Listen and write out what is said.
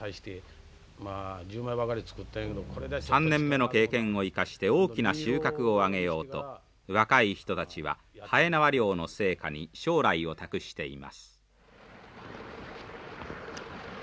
３年目の経験を生かして大きな収穫をあげようと若い人たちははえなわ漁の成果に将来を託しています。